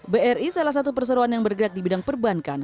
bri salah satu perseroan yang bergerak di bidang perbankan